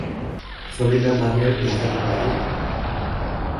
ছবিটা তাদের দেখাতে পারি?